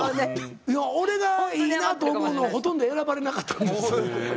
俺がいいなと思うのはほとんど選ばれなかったんです。